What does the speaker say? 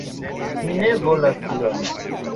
Mi ne volas tion